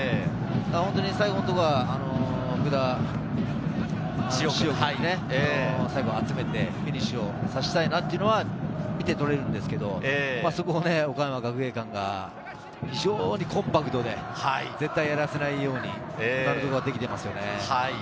最後のところは福田師王君に集めて、フィニッシュをさせたいんだというのは見て取れるんですけれど、そこを岡山学芸館が非常にコンパクトで、絶対やらせないようにできていますよね。